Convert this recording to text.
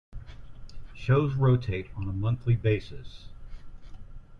Shows rotate on a monthly basis.